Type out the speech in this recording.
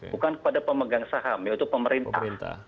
bukan kepada pemegang saham yaitu pemerintah